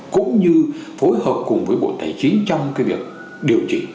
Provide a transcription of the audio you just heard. cũng như phối hợp cùng với bộ tài chính trong cái việc điều trị